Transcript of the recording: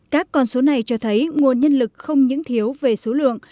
các con số này cho thấy nguồn nhân lực không những thiếu về số lượng